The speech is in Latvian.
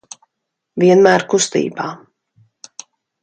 Vienmēr kustībā.